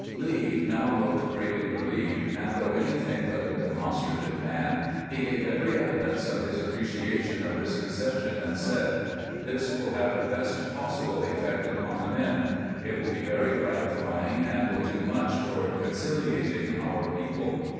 Lee now looked greatly relieved, and though anything but a demonstrative man, he gave every evidence of his appreciation of this concession, and said :" This will have the best possible effect upon the men. It will be 480 CAMPAIGNING WITH GRANT very gratifying, and will do mucli toward conciliating onr people."